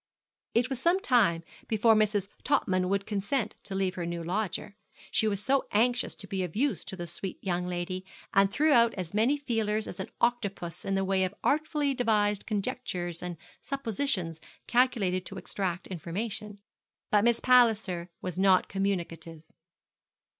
It was some time before Mrs. Topman would consent to leave her new lodger. She was so anxious to be of use to the sweet young lady, and threw out as many feelers as an octopus in the way of artfully devised conjectures and suppositions calculated to extract information. But Miss Palliser was not communicative.